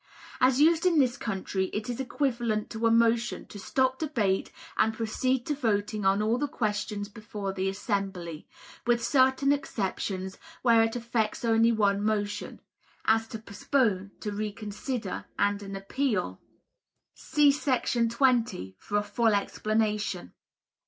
As used in this country it is equivalent to a motion to "Stop debate, and proceed to voting on all the questions before the assembly," with certain exceptions, where it affects only one motion (as to postpone, to reconsider and an appeal; see § 20 for a full explanation).